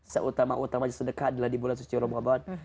seutama utama sedekah adalah di bulan suci ramadan